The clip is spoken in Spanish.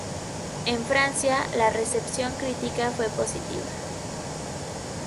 En Francia, la recepción crítica fue positiva.